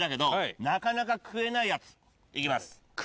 行きます。